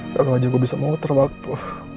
kalau aja gue bisa mengutar waktu